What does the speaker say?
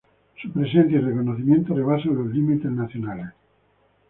Su presencia y reconocimiento rebasan los límites nacionales.